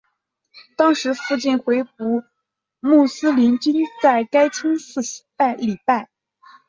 当时附近的回部穆斯林均在该清真寺礼拜。